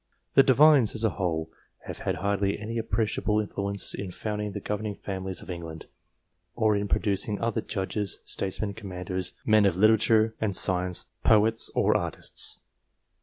The Divines, as a whole, have bad hardly any appreciable in fluence in founding the governing families of England, or in producing our judges, statesmen, commanders, men of literature and science, poets or artists.